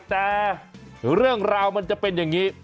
แต่เรื่องราวมันจะเป็นอย่างนี้